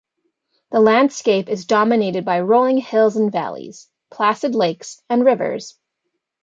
The landscape is dominated by rolling hills and valleys, placid lakes and rivers.